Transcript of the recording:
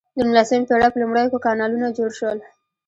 د نولسمې پیړۍ په لومړیو کې کانالونه جوړ شول.